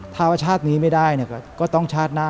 ถ้าว่าชาตินี้ไม่ได้ก็ต้องชาติหน้า